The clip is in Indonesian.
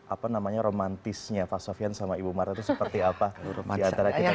apa namanya romantisnya pak sofian sama ibu marta itu seperti apa diantara kita